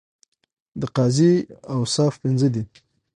د قاضی اوصاف پنځه دي.